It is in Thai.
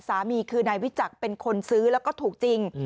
สามีคือนายวิจักรเป็นคนซื้อแล้วก็ถูกจริง